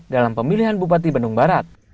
dalam pemilihan bupati bandung barat